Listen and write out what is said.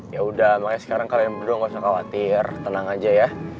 yaudah makanya sekarang kalian berdua ga usah khawatir tenang aja ya